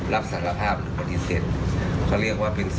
รับสารภาพนะครับ